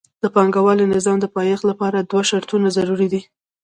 د پانګوالي نظام د پیدایښت لپاره دوه شرطونه ضروري دي